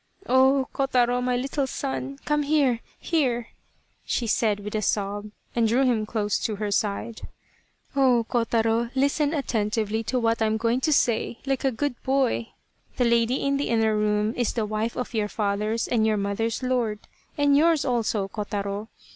" Oh ! Kotaro, my little son, come here here," she said with a sob, and drew him close to her side. " Oh ! Kotaro, listen attentively to what I am going to say, like a good boy. The lady in the inner room is the wife of your father's and your mother's lord, and yours also, Kotaro.